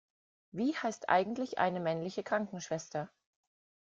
Wie heißt eigentlich eine männliche Krankenschwester?